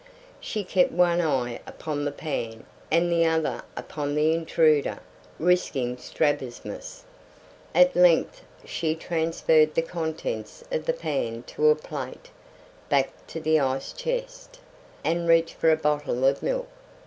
She kept one eye upon the pan and the other upon the intruder, risking strabismus. At length she transferred the contents of the pan to a plate, backed to the ice chest, and reached for a bottle of milk.